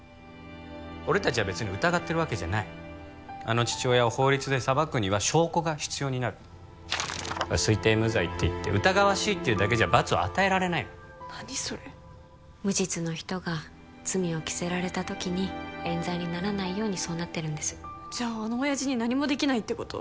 俺達は別に疑ってるわけじゃないあの父親を法律で裁くには証拠が必要になる推定無罪っていって疑わしいっていうだけじゃ罰を与えられないの何それ無実の人が罪を着せられた時に冤罪にならないようにそうなってるんですじゃあのオヤジに何もできないってこと？